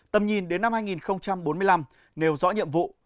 tầm nhìn đến năm hai nghìn bốn mươi năm nêu rõ nhiệm vụ